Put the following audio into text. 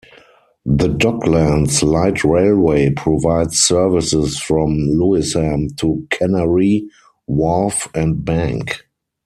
The Docklands Light Railway provides services from Lewisham to Canary Wharf and Bank.